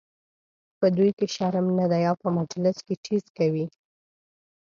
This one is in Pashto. په دوی کې شرم نه دی او په مجلس کې ټیز کوي.